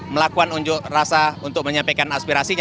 melakukan unjur rasa untuk menyampaikan aspirasi